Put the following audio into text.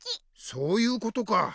そういうことか。